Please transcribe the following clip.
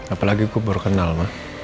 apalagi gue baru kenal mah